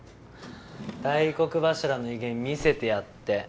大黒柱の威厳見せてやって！